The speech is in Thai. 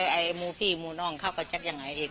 เพราะไม่เคยถามลูกสาวนะว่าไปทำธุรกิจแบบไหนอะไรยังไง